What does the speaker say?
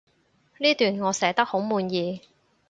呢段我寫得好滿意